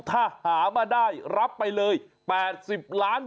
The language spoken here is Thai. ถ้าหามาได้รับไปเลย๘๐ล้าน